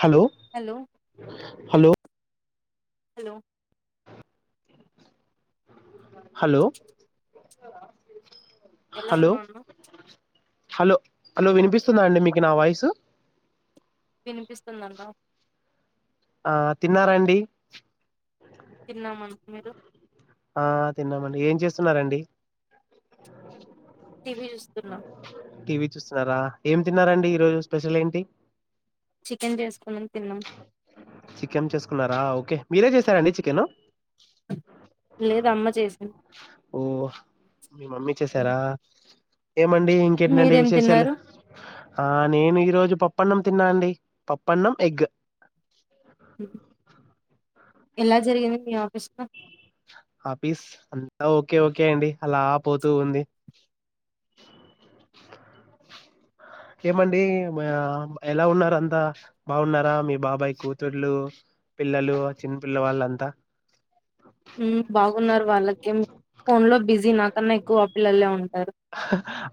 Hello hello hello hello hello ఎలా hello ఉన్నాన hello hello వినిపిస్తుందా అండి మీకి నా వాయిసు వినిపిస్తుందన్న ఆ తిన్నారా అండి తిన్నామండి మీరు ఆ తిన్నామండి ఏం చేస్తున్నారంండి టీవీ జూ తన్నా చూస్తున్నారా ఏం తిన్నారండి ఈరోజు స్పెషల్ ఏంటి చికెన్ జేసుకున్నం తిన్నాం చికెన్ చేసుకున్నారా ఓకే మీరే చేసారంండి చికెన్ లేద అమ్మ చేసిన్ ఓ మీ మమ్మీ చేసారా ఏమండి ఇంకేంటండి మీరేం విశేషాలు తిన్నారు ఆ నేను ఈ రోజు ప పప్పన్నం తిన్నా అండి పప్పన్నం ఎగ్ ఎలా జరిగింది మీ ఆఫీస్లో ఆఫీస్ అంతా ఓకే ఓకే అండి అలా పోతూ ఉంది ఏమండి ఎలా ఉన్నారంతా బాగున్నారా మీ బాబాయ్ కూతుళ్లు పిల్లలు చిన్నపిల్ల వాళ్ళంతా ఉ బాగున్నారు వాళ్ళకేం ఫోన్ లో బిజీ కన్నా ఎక్కువ పిల్లలే ఉంటాయి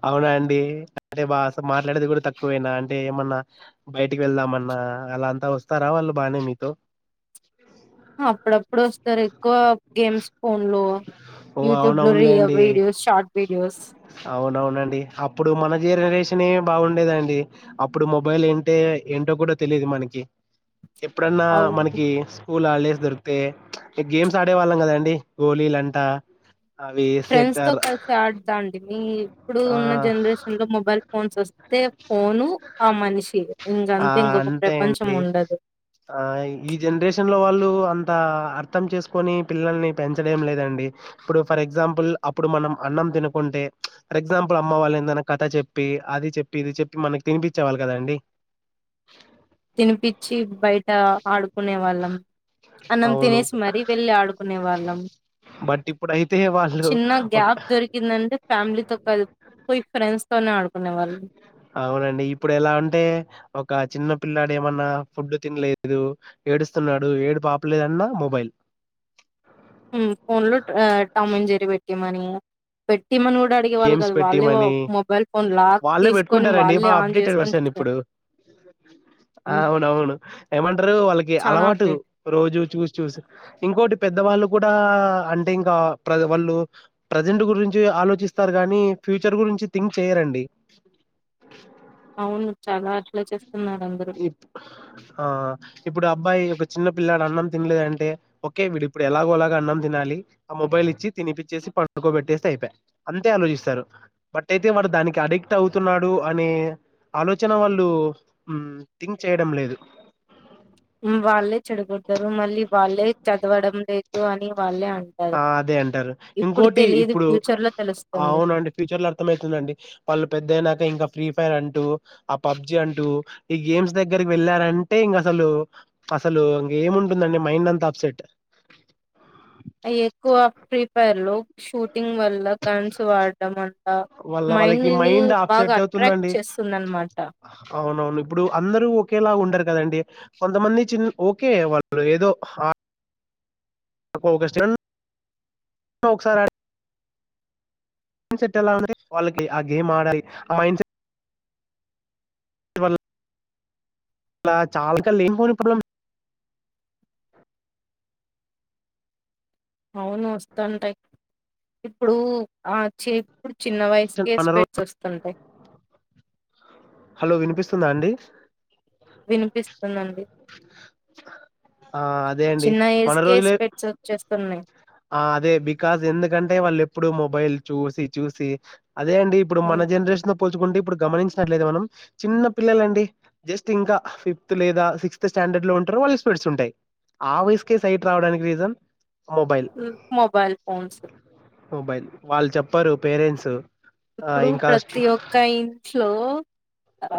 అవునా అండి అంటే బా అసలు మాట్లాడేది కూడా తక్కువేనా అంటే ఏమన్నా బయటికి వెళ్దామన్నా అలా అంతా వస్తారా వాళ్ళు బానే మీతో ప్పుడు ఎప్పుడొస్తారు ఎక్కువ గేమ్స్ ఫోన్ లో ఓ యూట్యూబ్ లో అవునవునులేండి వీడియోస్ షార్ట్ వీడియోస్ అవునవునండి అప్పుడు మన జనరేషన్ ఏ బాగుండేదండి అప్పుడు మొబైల్ ఏంటే ఏంటో కూడా తెలియదు మనకి ఎప్పుడన్నా అవు మనకి స్కూల్ ఆల్డేస్ దొరితే గేమ్స్ ఆడేవాళ్ళం గదండి గోలీ అంటి త ఫ్రెండ్స్ తో కలిసి ఆడదా అండి మీ ఇప్పుడు ఆ ఉన్న జనరేషన్ లో మొబైల్ ఫోన్ చూస్ టే పోను ఆ మనిషి ఆ ఇంకంతే ఇంకొక అంతే ప్రపంచం అండి ఉండదు ఆ ఈ జనరేషన్ లో వాళ్ళు లు అంత అర్థం చేసుకొని పిల్లల్ని పెంచడం లేదండి ఇప్పుడు ఫర్ ఎగ్జాంపుల్ అప్పుడు మనం అన్నం తినకుంటే ఫర్ ఎగ్జాంపుల్ అమ్మ వాళ్ళు ఏదైనా కథ చెప్పి అది చెప్పి ఇది చెప్పి మనకి తినిపించేవాళ్ళు కదండి తినిపిచ్చి బయట ఆడుకునే వాళ్ళం అన్నం అవును తినేసి మరీ వెళ్లి ఆడుకునే వాళ్ళం బట్ ఇప్పుడైతే వాళ్ళు చిన్న ఒక గ్యాప్ దొరికిందంటే ఫ్యామిలీ తో కల్ పోయి ఫ్రెండ్స్ తోనే ఆడు అవునండి ఇప్పుడు ఎలా ఉంటే ఒక చిన్న పిల్లాడు ఏమన్నా ఫుడ్ తినలేదు ఏడుస్తున్నాడు ఏడుపాపలేదన్నా మొబైల్ మ్మ్ ఫోన్ లో టామంజరి పెట్టిమని పెట్ గేమ్స్ పెట్టిమని మొబైల్ ఫోన్ లాక్ వాళ్ళే తీసుకొని పెట్టుకుంటారండి వాళ్ళే ఆన్ అప్డేటె చేసుకొని వర్షన్ చూస్తారు ఇప్పుడు అవునవును ఏమంటారు వాళ్ళకి చాలా అలవాటు అప్డేట్ రోజు చూసి చూసి ఇంకోటి పెద్దవాళ్ళు కూడా అంటే ఇంకా ప్ర వాళ్ళు ప్రజెంట్ గురించి ఆలోచిస్త స్తారు గానీ ఫ్యూచర్ గురించి థింక్ చేయరండి అవును చాలా చేస్తున్నారు అందరూ ఇప్ ఆ ఇపుడు ఆ అబ్బాయి ఒక చిన్న పిల్లాడు అన్నం తినలేదంటే ఓకే వీడు ఇప్పుడు ఎలాగోలాగ అన్నం తినాలి ఆ మొబైల్ ఇచ్చి తినిపిచ్చేసి పండుకోబెట్టేసి అయిపాయ్ అంతే ఆలోచిస్తారు బట్ అయితే వాడు దానికి అడిక్ట్ అవుతున్నాడు అనే ఆలోచన వాళ్ళు మ్మ్ థింక్ చేయడం లేదు వాళ్ళే చెడుగతారు మళ్ళీ వాళ్ళే చదవడం లేదు అని వాళ్ళే అంటారు ఆ అదే అంటారు ఇప్పుడు ఇంకోటి తెలియదు ఇప్పుడు ఫ్యూచర్ లో తెలుస్తుంది అవునండి ఫ్యూచర్ లో అర్థమవుతుందండి వాళ్ళు పెద్దయినాక ఇంకా ఫ్రీ ఫైర్ అంటూ ఆ పబ్జి అంటూ ఈ గేమ్స్ దగ్గరికి వెళ్ళారంటే ఇంక అసలు అసలు ఇంక ఏము ఉంటుందండి మైండ్ అంతా అప్సెట్ ఎక్కువ ప్రీ పైర్లు షూట్ టింగ్ వల్ల కన్స్ వాడటమంట అలా వాళ్ళ మైండ్ వాళ్ళకి ని బాగా అప్సెట్ అట్రాక్ట్ చేస్తుంది అనమాట అవును ఇప్పుడు అందరూ ఒకేలా ఉండరు కదండి కొంతమంది చిన్న ఓకే వాళ్ళు ఏదో ఆ ఒకసారి మైండ్ సెట్ ఎలా ఉంది వాళ్ళకి ఆ గేమ్ ఆడాలి ఆ మైండ్ సెట్ ఇవల్ ఇలా చాలా ఇంక లేని పోని ప్రాబ్లమ్ అవును వస్తాంటయి ఇప్పుడు ఆ చే ఇప్పుడు చిన్న వయసు కే మన రోజు స్పెట్స్ వస్తుంటాయి స్తుందా అండి వినిపిస్తుందండి ఆ అదే అండి చిన్న ఏజ్ మన కే రోజులే పెట్స్ వచ్చేస్తున్నాయి ఆ అదే బికాజ్ ఎందుకంటే వాళ్ళు ఎప్పుడూ మొబైల్ చూసి చూసి అదే అండి ఇప్పుడు మన హ్మ్. జనరేషను పోల్చుకుంటే ఇప్పుడు గమనించినట్లయితే మనం చిన్న పిల్లలు అండి జస్ట్ ఇంకా ఫిఫ్త్ లేదా సిక్స్త్ స్టాండర్డ్ లో ఉంటరు వాళ్ళు స్పడ్స్ ఉంటాయి ఆ వయసుకే సైట్ రావడానికి reason mobile mobile phones mobile వాళ్ళు చెప్పరు పేరెంట్స్ ఆ ఇప్పుడు ఇంకా ప్రతి స్ట- ఒక్క ఇంట్ లో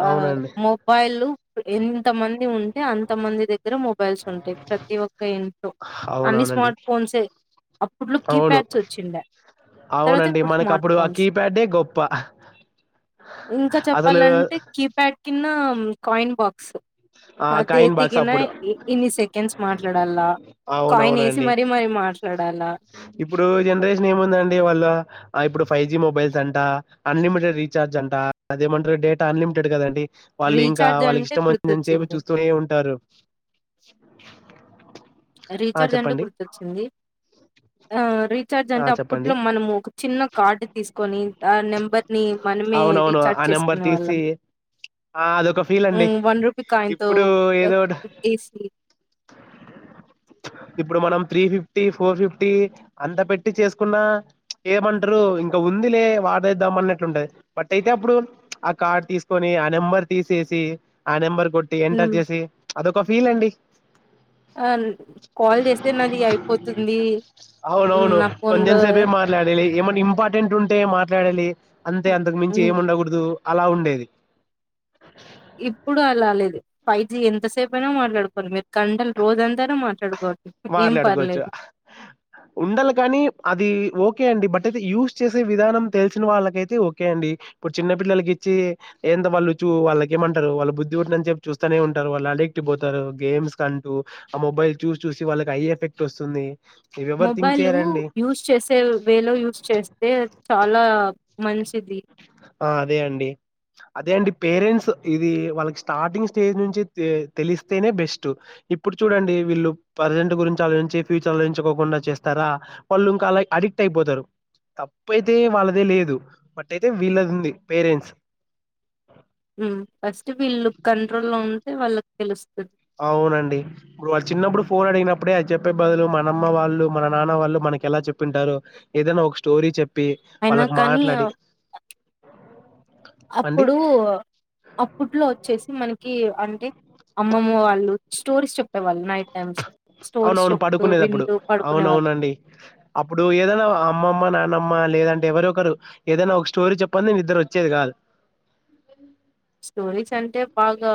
ఆ అవునండి మొబైల్ ప్ ఎన్ని ఎంతమంది ఉంటే అంతమంది దగ్గర మొబైల్స్ ఉంటయ్. ప్రతి ఒక్క ఇంట్లో అన్ని అవునవునండి స్మార్ట్ ఫోన్సే అప్పుట్లో అవును కీప్యాడ్స్ వచ్చిండే తర్వాత అవునండి ఇప్పుడు మనకు స్మార్ట్ అప్పుడు ఆ ఫోన్స్. కీప్యాడే గొప్ప ఇంకా అసలు చెప్పాలంటే కీప్యాడ్ కిన్నా మ్మ్ కాయిన్ బాక్స్ ఆ కాయిన్ అదేతి బాక్స్ గినా అప్పుడు ఇన్ని సెకెండ్స్ మా లడల్లా కాయిన్ వేసి అవునవునండి మరీ మరి మాట్ ఇప్పుడు జనరేషన్ ఏముందండి వాళ్ళ ఆ ఇప్పుడు ఫైవ్ జి మొబైల్స్ అంటా అన్లిమిటెడ్ రీచార్జ్ అంటా అదేమంటర్రు డేటా అన్లిమిటెడ్ కదండి వాళ్ళు ఇంకా రీఛార్జ్ వాళ్ళకి అంటే ఇష్టమొచ్చినంత సేపు గుర్తొచ్చింది చూస్తూనే ఉంటారు ఆ రీఛార్జ్ అంటే చెప్పండి గుర్తొచ్చింది అహా రీఛార్జ్ ఆ అంటే చెప్పండి అప్పట్లో మనము ఒక చిన్న కార్డు తీసుకొని ఆ నెంబర్ని మనమే అవునవును రీఛార్జ్ ఆ నెంబర్ చేసుకునే తీసి వాళ్ళం. ఆ అదొక ఫీల్ అండి ఇప్పుడు ఆహ్, ఏదోట్ పెట్టేసి ఇప్పుడు మనం త్రీ ఫిఫ్టీ ఫోర్ ఫిఫ్టీ అంత పెట్ ట్టి చేసుకున్నా ఏమంటరు ఇంకా ఉంది లే వాడేద్దాం అన్నట్లుంటది. బట్ అయితే అప్పుడు ప్చ్ ఆ కార్డు తీసుకొని ఆ నెంబర్ తీసేసి ఆ నెంబర్. కొట్టి ఎంటర్ చేసి ప్చ్ అదొక ఫీల్ అండి అన్ కాల్ చేస్తే నాది అయిపోతుంది మ్మ్ నాక్ కొంజెం సేపే మాట్లాడి లే ఏమన్నా ఇంపార్టెంట్ ఉంటే మాట్లాడాలి అంతే అంతకు మించి హ్మ్. ఏముండకూడదు అలా ఉండేది ఇప్పుడు అలాలేదు ఫైవ్ జి ఎంతసేపు ఐనా మాట్లాడుకో. మీరు గంటలు రోజు అంతా ఐనా మాట్లాడుకో. మాట్లాడుకోవచ్చు ఉండాల కానీ అది ఓకే అండి బట్ టైతే యూజ్ చేసే విధానం తెలిసిన వాళ్ళకైతే ఓకే అండి. ఇప్పుడు చిన్న పిల్లలకి ఇచ్చి ఎంత వాళ్ళు చూ వాళ్ళకేమంటరు వాళ్ళ బుద్ధి పుట్టినంత సేపు చూస్తానే ఉంటారు వాళ్ళు అడిక్ట్ బోతారు గేమ్స్ కంటూ ఆ మొబైల్ చూస్. చూసి వాళ్ళకి ఐ ఎఫెక్ట్ వస్సుంది మొబైల్ యూస్ చేసే వేలో యూస్ చేస్తే చాలా మంచ్ ఇది ఆ అదే అండి అదే అండి పేరెంట్స్ ఇది వాళ్ళకి స్టార్టింగ్ స్టేజ్ నుంచి ఎ తెలిస్తేనే బెస్ట్. ఇప్పుడు చూడండి వీళ్ళు పరెజెంట్ గురించి ఆలోయించి ఫ్యూచర్ లోయించికోకుండా చేస్తారా, వాళ్ళు ఇంకా అలై అడిక్ట్ అయిపోతారు తప్పు అయితే వాళ్ళదే లేదు బట్ అయితే వీళ్ళద్. ఉంది పేరెంట్స్ మ్మ్ ఫస్ట్ వీళ్ళు కంట్రోల్ లో ఉంటే వాళ్ళక్ తెలుస్తది అవునండి ఇప్పుడు వాడు చిన్నప్పుడు ఫోన్ అడిగినప్పుడే అది చెప్పే బదులు, మనమ్మ వాళ్ళు మన నాన్న వాళ్ళు మనకి ఎలా చెప్పింటారు ఏదైనా ఒక స్టోరీ చెప్ప్. అయినా కానీ అండి అప్పుడు అప్పట్లో వచ్చేసి మనకి కి అంటే అమ్మమ్మ వాళ్ళు స్టోరీస్ చెప్పేవాళ్ళు నైట్ టైమ్స్ స్టోరీస్ అవునవును చెప్తూ పడుకునేది అప్పుడు వింటూ పడుకునేవాళ్ళు అవునవునండి అప్పుడు ఏదన్న అమ్మమ్మ నాన్నమ్మ మ లేదంటే ఎవరో ఒకరు ఏదైనా ఒక స్టోరీ చెప్పందే నిద్రవచ్చేది కాదు. స్టోరీస్ అంటే బాగా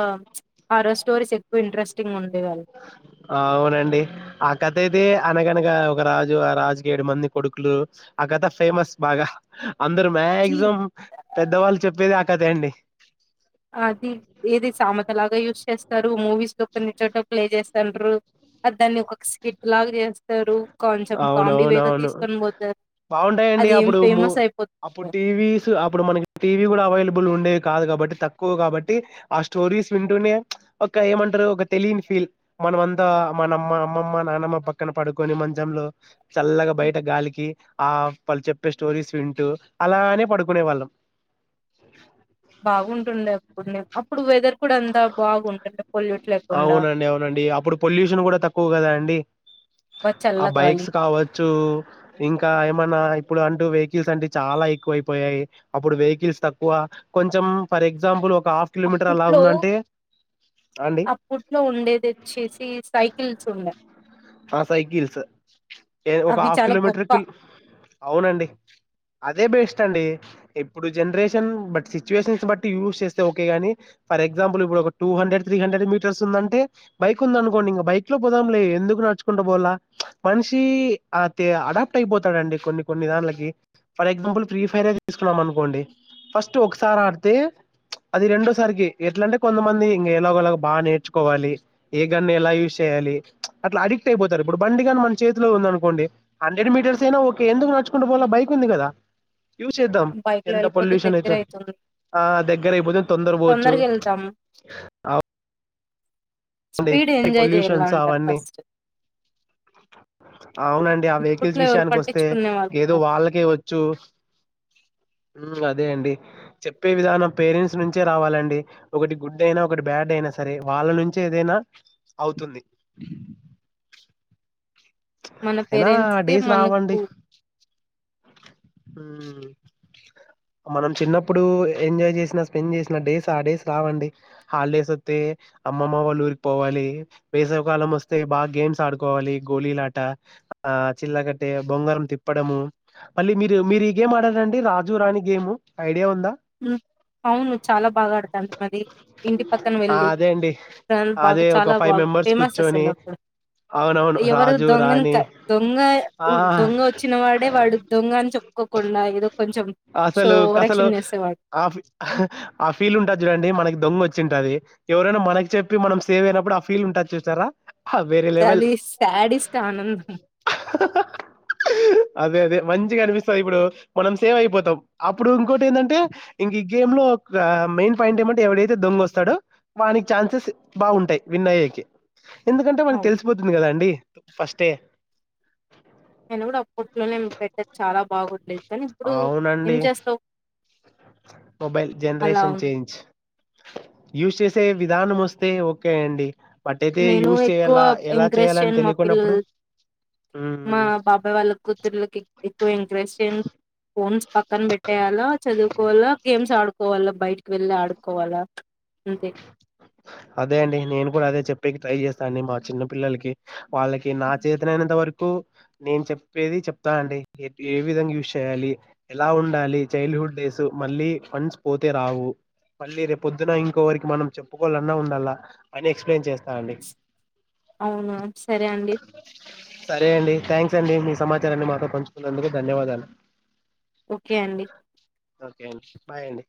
ఆరోజు స్టోరీస్ ఎక్కువ ఇంట్రెస్టింగ్ ఉంట అవునండి ఆ కథే అయితే అనగనగా ఒక రాజు ఆ రాజుకి ఏడు మంది కొడుకులు ఆ కథ ఫేమస్ బాగా అందరు జీ మాక్సిమం పెద్దవాళ్ళు చెప్పేది అ కదే అండి అ అది ఏది సామత లాగా యూస్ చేస్తారు మూవీస్ లో కొన్ని చోట ప్లే చేస్తాంట్రు మరి దాన్ని ఒక స్కిట్ లాగ చేస్తారు. కొంచెం కామెడీ వేలో అవునవునవును తీసుకొని పోతారు బాగుంటాయిండి అది ఏం అప్పుడు ఫేమస్ అప్పుడు అయిపోతుంది టీవీస్ అప్పుడు మనకి టీవీ కూడా అవైలబుల్ ఉండేది కాదు కాబట్టి తక్కువ కాబట్టి ఆ స్టోరీస్ వింటూనే ఒక ఏమంటారు ఒక తెలియని ఫీల్ మనమంతా మనమంతా అమ్మమ్మ నానమ్మ పక్కన పడుకొని మంచి దమ్లో చల్లగా బయట గాలికి ఆ వాళ్ళు చెప్పే స్టోరీస్ వింటూ అలానే పడుకునే వాళ్ళం. బాగుంటుండే అప్పుడు నేను అప్పుడు వెదర్ కూడా అంతా బాగుంటుండే పొల్యూట్ లేకుండా అవునండి అవునండి అప్పుడు పొల్యూషన్ కూడా తక్కువ కదా అండి బా ఆ చల్లగాలి బైక్స్ కావచ్చు ఇంకా ఏమన్నా ఇప్పుడు అంటూ వెహికల్స్ అంట చాలా ఎక్కువ అయిపోయాయి అప్పుడు వెహికల్స్ తక్కువ కొంచెం ఫర్ ఎగ్జాంపుల్ ఒక్ ఒక హాఫ్ కిలోమీటర్ అలా ఉందంటే అండి అప్పుట్లో ఉండేది వచ్చేసి సైకిల్స్ ఉండే ఆ సైకిల్స్ ఎ ఒక అవి హాఫ్ చాలా కిలోమీటర్ గొప్ప కి అవునండి అదే బె వేస్ట్ అండి ఇప్పుడు జనరేషన్ బట్ సిచువేషన్స్ బట్టి యూస్ చేస్త ఓకే గాని ఫర్ ఎగ్జాంపుల్ ఇప్పుడు ఒక two hundred three hundred metres ఉందంటే బైక్ ఉంది అనుకోండి ఇంక బైక్ లో పోదాంలే ఎందుకు నడుచు నడుచుకుంటూపోవల మనిషి అడాప్ట్ అయిపోతాడు అండి కొన్ని కొన్ని దానిలకి ఫర్ ఎగ్జాంపుల్ ఫ్రీ ఫైర్ తీసుకున్నాం అనుకోండి ఫస్ట్ ఒకసారి ఆడితే అది రెండోసారికి ఎట్లా అంటే కొంతమంది ఇంక ఎలాగోలా బాగా నేర్చుకోవాలి ఏ గన్ని ఎలా యూస్్ చేయాలి అట్లా అడిక్ట్ అడిక్ట్ అయిపోతారు ఇప్పుడు బండి కాని మన చేతిలో ఉంది అనుకోండి హండ్రెడ్ మీటర్స్ అయినా ఓకే ఎందుకు నచ్చుకుంట పో బైక్ ఉంది కదా యూజ్ చేద్దాం బైక్ లో ఎంత వెళ్ళిపోతే పొల్యూషన్ దగ్గర అయితే అయితుంది ఆ దగ్గర అయిపోతే తొందర పోవచ్చు. తొందరగా వెళ్తాం అండి స్పీడ్ ఈ ఎంజాయ్ చేయాల పొల్యూషన్స్ అంటారు అవన్నీ ఫస్ట్ అవునండి. ఆ వెహికల్స్ ఇప్పట్లో ఎవరు విషయానికి వస్తే పట్టించుకునే వాళ్ళు ఏదో కాదు వాళ్ళకే వచ్చు ఉం అదే అండి చెప్పే విధానం పేరెంట్స్ నుంచే రావాలండి ఒకటి గుడ్ అయినా ఒకటి బ్యాడ్ అయినా సరే వాళ్ళ నుంచి చేదైనా అవుతుంది. మన ఐనా పేరెంట్స్ కి డేస్ రావండి మనకు మనం చిన్నప్పుడు ఎంజాయ్ చేసిన స్పెండ్ చేసిన డేస్ ఆ డేస్ రావండి హాలిడేస్ వస్తే అమ్మమ్మ వాళ్ళు ఊరికి పోవాలి వేసవికాలం వస్తే బాగా గేమ్స్ ఆడుకోవాలి గోళీలాట ఆ చిల్లకట్టే బొంగారం తిప్పడము మళ్ళీ మీరు మీరు ఈ గేమ్ ఆడారండి రాజు రాని గేము ఐడియా ఉందా ఉం అవును చాలా బాగా ఆడుతాం అది ఇంటి పక్కన ఆ వెళ్ళి అదే అండి బాగా అదే ఒక చాలా ఫైవ్ బాగా మెంబర్స్ ఫేమస్ అస్సలు కూర్చొని నాకు కూడ అవునవును ఎవరు రాజు రాణి దొంగనుతా దొంగ ఆ దొంగ వచ్చిన వాడే వాడు దొంగ అని చెప్పుకోకుండా ఇదొక అసలు కసలు ఆ ఫీ ఆ ఫీల్ ఉంటది చూడండి మనకి దొంగ వచ్ వచ్చింటుది ఎవరైనా మనకి చెప్పి మనం సేవ్ అయినప్పుడు ఆ ఫీల్ ఉంటా చూస్తారా వేరవల్ అది శాడిస్ట్ ఆనందం అదే అదే మంచి కనిపిస్తా ఇప్పుడు మనం సేవ్ అయిపోతాం అప్పుడు ఇంకోటి ఏంటంటే ఇంక ఈ గేమ్ లో ఒక మెయిన్ పాయింట్ ఏమంటే ఎవడైతే దొంగొస్తాడో వానికి ఛాన్సెస్ బాగు ఉంటాయి విన్ అయ్యేకి ఎందుకంటే వానికి అవును తెలిసిపోతుంది కదా అండి ఫస్ట్ ఏయర్ నేను కూడా అప్పట్లోనే పెట్టది చాలా బాగుండేది కానీ ఇప్పుడు ఏం అవునండి. చేస్తావు మొబైల్ అలా జెనరేషన్ ఉంది చేేంజ్ యూస్ చేసి తే విధానం వస్తే ఓకే అండి బట్ అయితే నేను యూజ్ ఎక్కువ చేయాలా ఎలా ఎంకరెజ్ చేయాలని చేయ్యను మా పిల్లల్ తెలియకున్నప్పుడు మా హ్మ్ బాబాయ్ వాళ్ళ కూతుర్లకి ఎక్కువ ఎంకరెజ్ చేయ్ ఫోన్స్ పక్కన పెట్టేయాల చదువుకోవాలా గేమ్స్ ఆడుకో కోవాలా బయటికి వెళ్ళి ఆడుకోవాలా అంతే అదే అండి నేను కూడా అదే చెప్పి ట్రై చేస్తండి మా చిన్న పిల్లలకి వాళ్ళకి నా చేతనైనంత వరకు నేను చెప్పేది చెప్తా అండి ఏ విధంగా యూస్ చేయాలి ఎలా ఉండాలి చైల్డ్ హుడ్ డేస్ మళ్ళీ ఫండ్స్ పోతే రావు మళ్ళీ రేప్ పొద్దున ఇం ఇంకొవరికి మనం చెప్పుకోవాలన్నా ఉండాలా అని ఎక్స్ప్లెయిన్ చేస్తానండి అవునా సరే అండి సరే అండి థ్యాంక్స్ అండి మీ సమాచారాన్ని మాతో పంచుకున్నందుకు ధన్యవాదాలు ఓకే అండి ఓకే అండి బాయ్ అండి